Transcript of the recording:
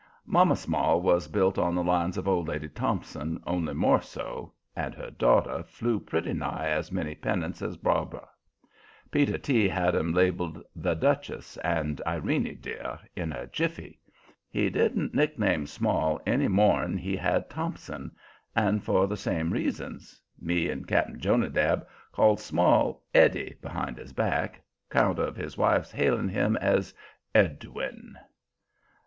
Mamma Small was built on the lines of old lady Thompson, only more so, and her daughter flew pretty nigh as many pennants as Barbara. Peter T. had 'em labeled the "Duchess" and "Irene dear" in a jiffy. He didn't nickname Small any more'n he had Thompson, and for the same reasons. Me and Cap'n Jonadab called Small "Eddie" behind his back, 'count of his wife's hailing him as "Edwin."